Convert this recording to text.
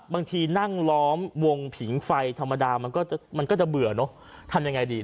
บางทีนั่งล้อมวงผิงไฟธรรมดามันก็มันก็จะเบื่อเนอะทำยังไงดี